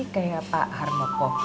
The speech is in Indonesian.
tapi ini yang harus diketahui pak harmoko